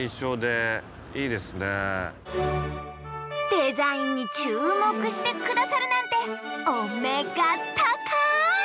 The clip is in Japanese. デザインに注目して下さるなんてお目が高い！